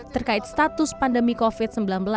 terkait status pandemi covid sembilan belas